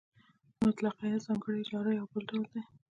مطلقه یا ځانګړې اجاره یو بل ډول دی